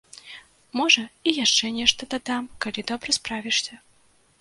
Можа, і яшчэ нешта дадам, калі добра справішся.